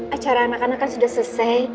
acara anak anak kan sudah selesai